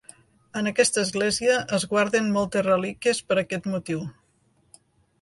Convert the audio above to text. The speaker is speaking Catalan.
En aquesta església es guarden moltes relíquies per aquest motiu.